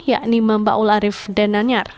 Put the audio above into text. yakni mbak ularif dan nanyar